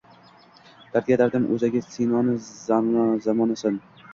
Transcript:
Dardga darmon oʼzagi – Sinoi zamonasan.